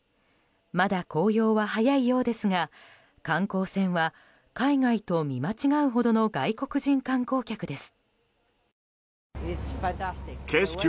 まだ紅葉は早いようですが観光船は海外と見間違うほどの外国人観光客です。